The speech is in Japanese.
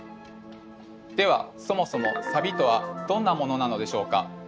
ではそもそもサビとはどんなものなのでしょうか？